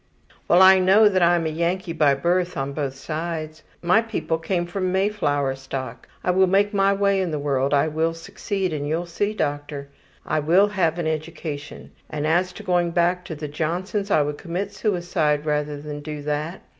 ``Well, I know that I'm a Yankee by birth, on both sides. My people came from Mayflower stock. I will make my way in the world, I will succeed, and you'll see, doctor. I will have an education. As to going back to the Johnsons, I would commit suicide rather than do that.